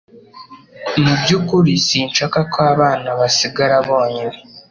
Mu byukuri sinshaka ko abana basigara bonyine